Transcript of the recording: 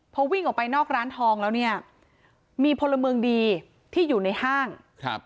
พอวิ่งออกไปนอกร้านทองแล้วเนี่ยมีพลเมืองดีที่อยู่ในห้างครับ